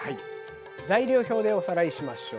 材料表でおさらいしましょう。